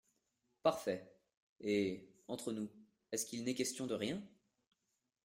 Parfait !…et… entre nous… est-ce qu’il n’est question de rien ?…